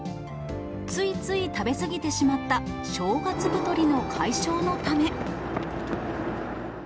ついつい食べ過ぎてしまった正月太りの解消のため。